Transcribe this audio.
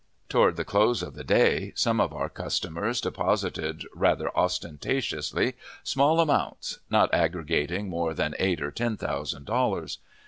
Toward the close of the day, some of our customers deposited, rather ostentatiously, small amounts, not aggregating more than eight or ten thousand dollars.